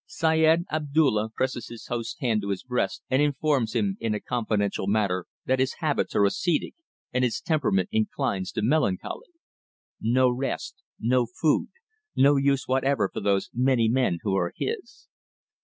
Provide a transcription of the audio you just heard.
Syed Abdulla presses his host's hand to his breast, and informs him in a confidential murmur that his habits are ascetic and his temperament inclines to melancholy. No rest; no food; no use whatever for those many men who are his.